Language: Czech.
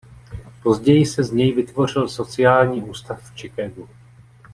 Později se z něj vytvořil sociální ústav v Chicagu.